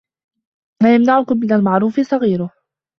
لَا يَمْنَعُكُمْ مِنْ الْمَعْرُوفِ صَغِيرُهُ